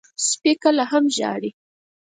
سپي کله هم ژاړي.